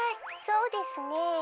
「そうですね。